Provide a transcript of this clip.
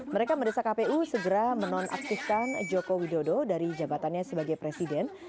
mereka mendesak kpu segera menonaktifkan joko widodo dari jabatannya sebagai presiden